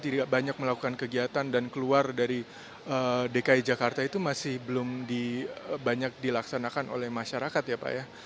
tidak banyak melakukan kegiatan dan keluar dari dki jakarta itu masih belum banyak dilaksanakan oleh masyarakat ya pak ya